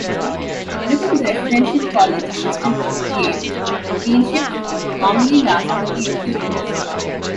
Within the Residential College system at Yale, deanships normally last only a few years.